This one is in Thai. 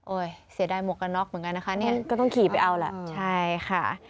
เสียดายหมวกกันน็อกเหมือนกันนะคะเนี่ยก็ต้องขี่ไปเอาล่ะใช่ค่ะ